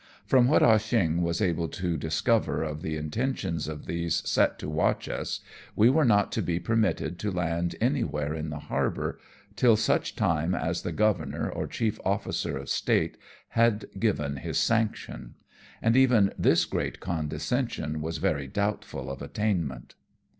From what Ah Cheong was able to discover of the intentions of those set to watch us, we were not to be permitted to land anywhere in the harbour, till such time as the Governor or Chief Officer of State had given his sanction ; and even this great condescension was very doubtful of attainment.